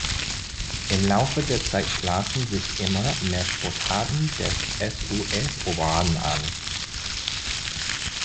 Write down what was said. Im Laufe der Zeit schlossen sich immer mehr Sportarten dem SuS Oberaden an.